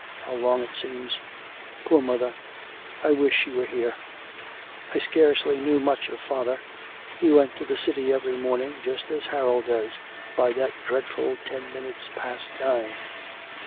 How long it seems! ... Poor mother! I wish she were here. I scarcely knew much of father; he went to the city every morning, just as Harold does, by that dreadful ten minutes past nine.